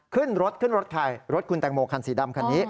ขึ้นรถขึ้นรถใครรถคุณแตงโมคันสีดำคันนี้